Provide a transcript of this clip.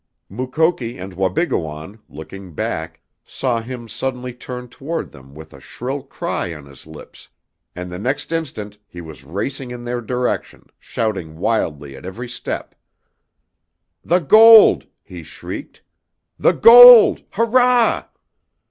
Mukoki and Wabigoon, looking back, saw him suddenly turn toward them with a shrill cry on his lips, and the next instant he was racing in their direction, shouting wildly at every step. "The gold!" he shrieked. "The gold! Hurrah!"